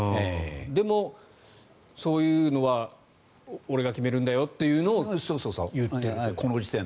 でもそういうのは俺が決めるんだよというのを言っていると。